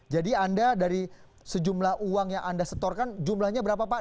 jadi anda dari sejumlah uang yang anda setorkan jumlahnya berapa pak